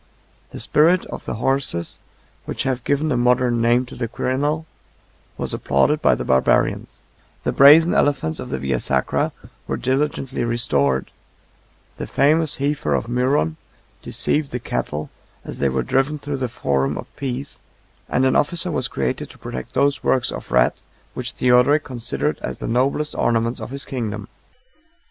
The spirit of the horses, which have given a modern name to the Quirinal, was applauded by the Barbarians; 66 the brazen elephants of the Via sacra were diligently restored; 67 the famous heifer of Myron deceived the cattle, as they were driven through the forum of peace; 68 and an officer was created to protect those works of art, which Theodoric considered as the noblest ornament of his kingdom.